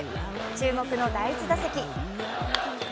注目の第１打席。